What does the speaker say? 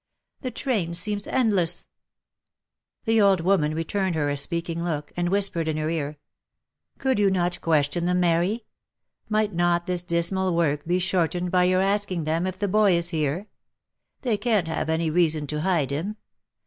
" The train seems endless !" The old woman returned her a speaking look., and whispered in her ear — "Could you not question them, Mary? Might not this dismal work be shortened by your asking them if the boy is here ? They can't have any reason to hide him.